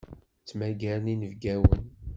Ttmagaren inebgawen.